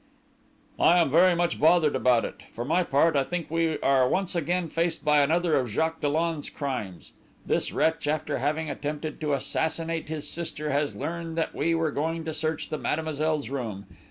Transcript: "I am very much bothered about it. For my part, I think we are once again faced by another of Jacques Dollon's crimes. This wretch, after having attempted to assassinate his sister, has learned that we were going to search mademoiselle's room.